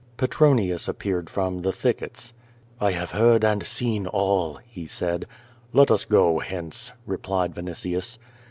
Petronius appeared from the thickets. 1 have heard and seen all," he said. Tjct us go hence," replied Vinitius.